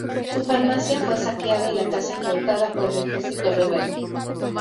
Su farmacia fue saqueada y la casa incautada por el ejercido rebelde.